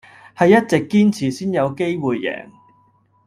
係一直堅持先有機會贏